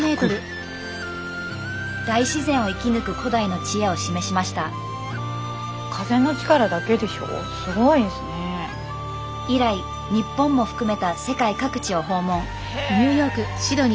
大自然を生き抜く古代の知恵を示しました以来日本も含めた世界各地を訪問へえ！